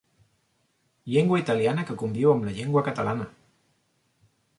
Llengua italiana que conviu amb la llengua catalana.